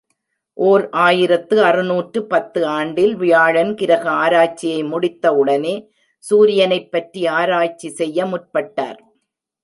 ஓர் ஆயிரத்து அறுநூற்று பத்து ஆண்டில், வியாழன் கிரக ஆராய்ச்சியை முடித்த உடனே, சூரியனைப்பற்றி ஆராய்ச்சி செய்ய முற்பட்டார்.